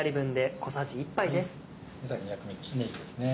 最後に薬味としてねぎですね。